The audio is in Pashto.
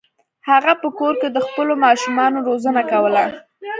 هغه په کور کې د خپلو ماشومانو روزنه کوله.